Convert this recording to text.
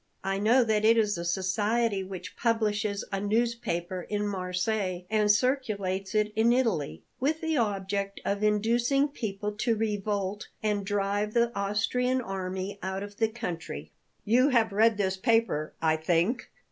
"I know that it is a society which publishes a newspaper in Marseilles and circulates it in Italy, with the object of inducing people to revolt and drive the Austrian army out of the country." "You have read this paper, I think?"